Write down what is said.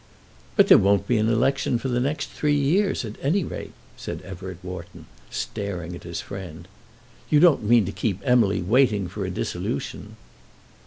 "But there won't be an election for the next three years at any rate," said Everett Wharton, staring at his friend. "You don't mean to keep Emily waiting for a dissolution?"